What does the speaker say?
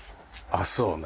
あっそうね。